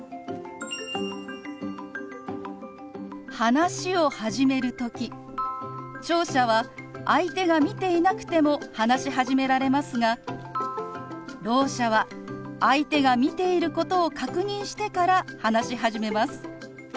話を始める時聴者は相手が見ていなくても話し始められますがろう者は相手が見ていることを確認してから話し始めます。